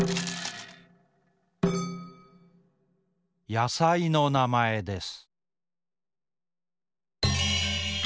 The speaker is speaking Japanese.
やさいのなまえです。